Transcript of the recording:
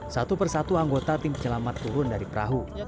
satu persatu anggota tim penyelamat turun dari perahu